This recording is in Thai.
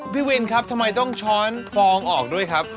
พี่วินครับทำไมต้องช้อนฟองออกด้วยครับ